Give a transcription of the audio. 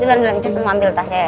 eh cus mau ambil tasnya